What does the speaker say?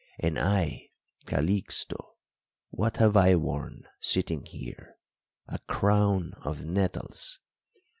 And I, Calixto, what have I worn, sitting here? A crown of nettles!